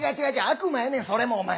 悪魔やねんそれもお前。